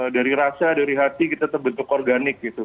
dari rasa dari hati kita terbentuk organik gitu